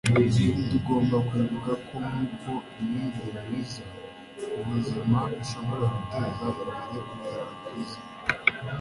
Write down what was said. Tugomba kwibuka ko nk'uko imyumvire myiza ku buzima ishobora guteza imbere ubuzima bwiza,